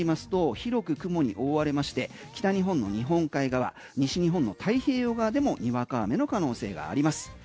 そして夜になりますと広く雲に覆われまして北日本の日本海側西日本の太平洋側でもにわか雨の可能性があります。